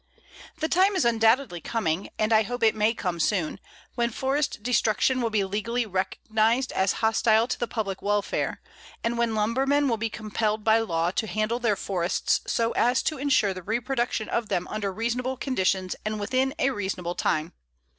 The time is undoubtedly coming, and I hope it may come soon, when forest destruction will be legally recognized as hostile to the public welfare, and when lumbermen will be compelled by law to handle their forests so as to insure the reproduction of them under reasonable conditions and within a reasonable time.